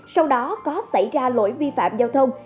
sau đó có xảy ra lỗi vi phạm giao thông